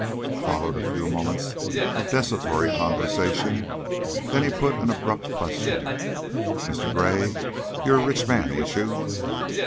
Followed a few moments of desultory conversation, then he put an abrupt question: "Mr. Gray, you're a rich man, ain't you?"